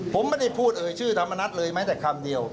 ผมไม่ได้พูดเอ่ยชื่อธรรมนัฐเลยแม้แต่คำเดียว